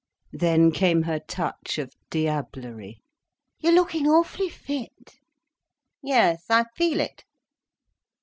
Then came her touch of diablerie. "You're looking awf'lly fit." "Yes—I feel it."